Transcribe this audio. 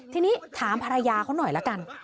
ทีนี้ถามภรรยาเขาหน่อยละกัน